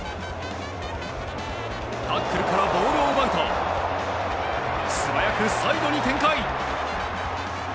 タックルからボールを奪うと素早くサイドに展開。